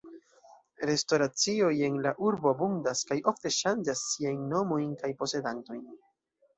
Restoracioj en la urbo abundas kaj ofte ŝanĝas siajn nomojn kaj posedantojn.